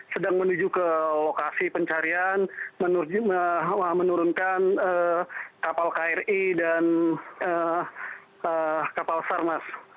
sedang menuju ke lokasi pencarian menurunkan kapal kri dan kapal sar mas